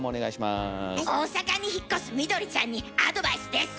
大阪に引っ越すミドリちゃんにアドバイスです。